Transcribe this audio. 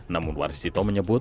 namun tuwarsito menyebut